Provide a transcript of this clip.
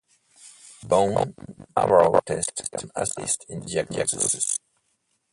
A bone marrow test can assist in diagnosis.